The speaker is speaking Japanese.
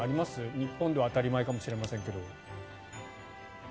日本では当たり前かもしれませんが。